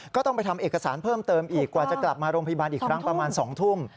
ก็ต้องไปทำเอกสารเพิ่มเติมอีกกว่าจะกลับมาโรงพยาบาลอีกครั้งประมาณ๒ทุ่ม